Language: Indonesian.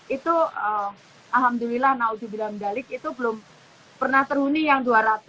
itu alhamdulillah naudzubillahimdalliq itu belum pernah terhuni yang dua ratus